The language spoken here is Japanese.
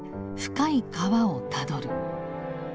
『深い河』をたどる」。